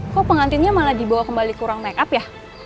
kok pengantinnya malah dibawa kembali kurang make up ya